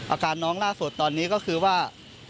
อาการน้องล่าสุดตอนนี้ก็คือว่า